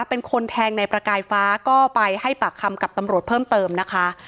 เป็นคนแทงในประกายฟ้าก็ไปให้ปากคำกับตำรวจเพิ่มเติมนะคะ